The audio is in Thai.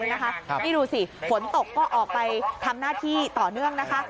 นี่ดูสิฝนตกก็ออกไปทำหน้าที่ต่อเนื่องนะคะ